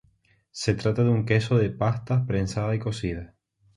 Se trata de un queso de pasta prensada y cocida.